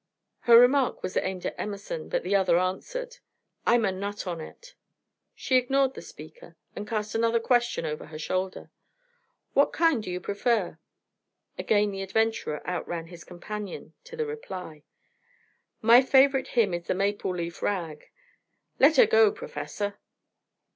Her remark was aimed at Emerson, but the other answered: "I'm a nut on it." She ignored the speaker, and cast another question over her shoulder: "What kind do you prefer?" Again the adventurer outran his companion to the reply: "My favorite hymn is the Maple Leaf Rag. Let her go, professor."